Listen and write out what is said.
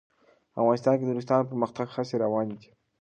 افغانستان کې د نورستان د پرمختګ هڅې روانې دي.